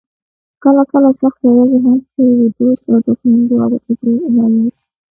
کله کله سختې ورځې هم ښې وي، دوست او دښمن دواړه پکې معلوم شي.